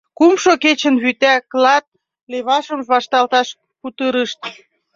Кумшо кечын вӱта, клат левашым вашталташ кутырышт.